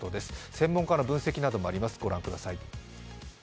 専門家の分析などもあります、ご覧ください。